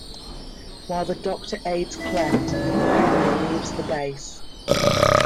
While the Doctor aids Clent, Penley leaves the base.